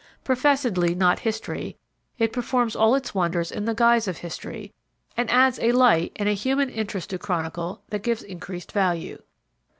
Professedly not History, it performs all its wonders in the guise of History and adds a light and a human interest to chronicle that gives increased value.